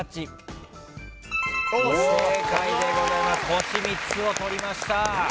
星３つを取りました。